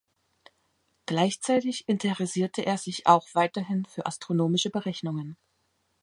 Gleichzeitig interessierte er sich auch weiterhin für astronomische Berechnungen.